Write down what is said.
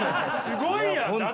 すごいやん！